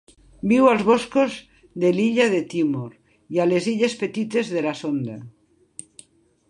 Viu als boscos de l'illa de Timor, a les illes Petites de la Sonda.